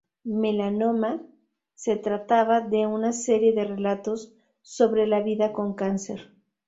Melanoma se trataba de una serie de relatos sobre la vida con cáncer.